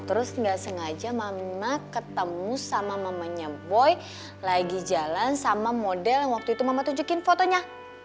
terus nggak sengaja mama ketemu sama mamanya boy lagi jalan sama model yang waktu itu mama tunjukin fotonya